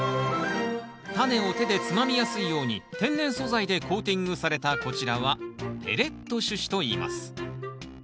タネを手でつまみやすいように天然素材でコーティングされたこちらはペレット種子といいます。